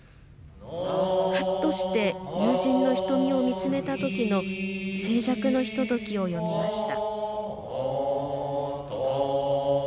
はっとして友人の瞳を見つめた時の静寂のひと時を詠みました。